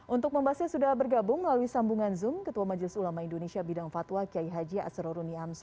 untuk membahasnya sudah bergabung melalui sambungan zoom ketua majelis ulama indonesia bidang fatwa kiai haji asraruni ams